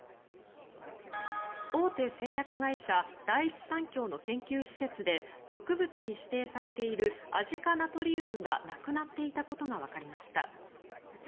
大手製薬会社第一三共の研究施設で毒物に指定されているアジ化ナトリウムがなくなっていたことがわかりました。